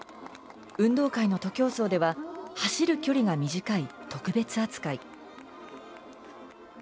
運動会の徒競走では、走る距離が短い特別扱い。